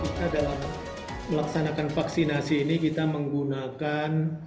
kita dalam melaksanakan vaksinasi ini kita menggunakan